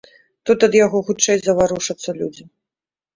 Тут ад яго хутчэй заварушацца людзі.